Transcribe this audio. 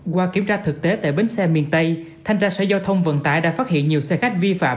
qua kiểm tra thực tế tại bến xe miền tây thanh tra sở giao thông vận tải đã phát hiện nhiều xe khách vi phạm